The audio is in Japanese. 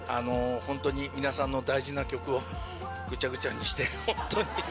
ホントに皆さんの大事な曲をぐちゃぐちゃにしてホントに。